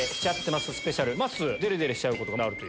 まっすーデレデレしちゃうことがあるという。